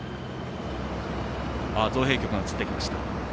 造幣局が映ってきました。